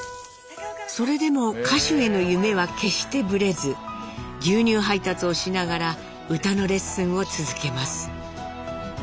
それでも歌手への夢は決してぶれず牛乳配達をしながら歌のレッスンを続けます。